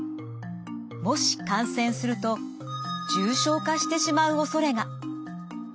もし感染すると重症化してしまうおそれが。